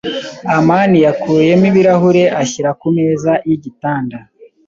amani yakuyemo ibirahure ashyira ku meza yigitanda.